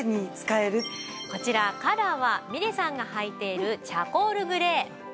こちらカラーはみれさんがはいているチャコールグレー。